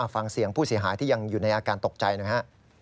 ฟังเสียงผู้เสียหายที่ยังอยู่ในอาการตกใจหน่อยฮะ